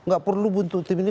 gak perlu bentuk tim ini